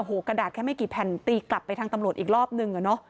กระดาษแค่ไม่กี่แผ่นตีกลับไปทางตำรวจอีกรอบนึงอะเนาะ